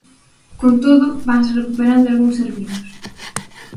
Con todo, vanse recuperando algúns servizos.